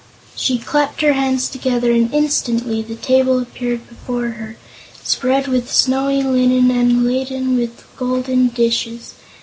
She clapped her hands together and instantly the table appeared before her, spread with snowy linen and laden with golden dishes.